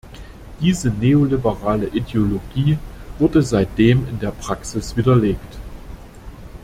Diese neoliberale Ideologie wurde seitdem in der Praxis widerlegt.